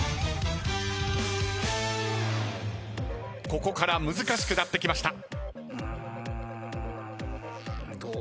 ここから難しくなってきました。